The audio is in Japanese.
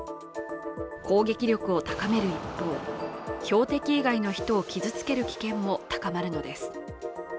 攻撃力を高める一方、標的以外の人を傷つける危険も高まるのです。